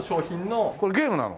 これゲームなの？